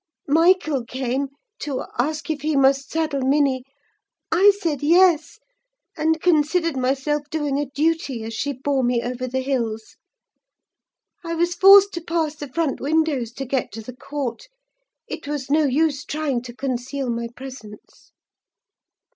Michael came to ask if he must saddle Minny; I said 'Yes,' and considered myself doing a duty as she bore me over the hills. I was forced to pass the front windows to get to the court: it was no use trying to conceal my presence.